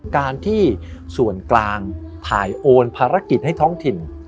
การที่ส่วนกลางถ่ายโอนภารกิจให้ท้องถิ่น